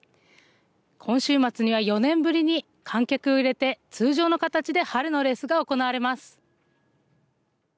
今週末には４年ぶりに観客を入れて通常の形で春のレースが行われます。